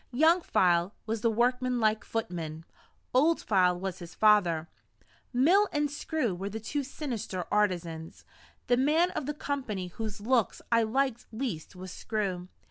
Young File was the workman like footman; Old File was his father; Mill and Screw were the two sinister artisans. The man of the company whose looks I liked least was Screw.